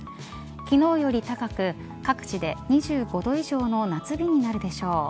昨日より高く各地で２５度以上の夏日になるでしょう。